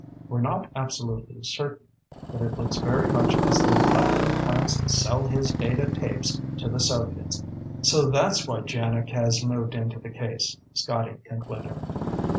We're not absolutely certain, but it looks very much as though Lefty plans to sell his data tapes to the Soviets." "So that's why JANIG has moved into the case," Scotty concluded.